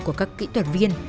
của các kỹ thuật viên